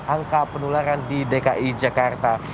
angka penularan di dki jakarta